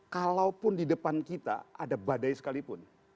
kalaupun di depan kita ada badai sekalipun